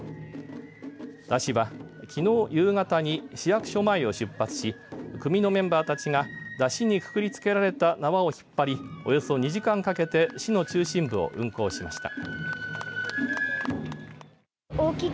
山車は、きのう夕方に市役所前を出発し組のメンバーたちが山車にくくりつけられた縄を引っ張り、およそ２時間かけて市の中心部を運行しました。